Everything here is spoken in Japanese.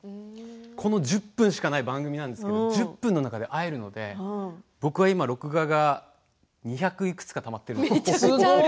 この１０分しかない番組なんですが１０分の中で会えるので僕は今録画が２００いくつたまってるんですが。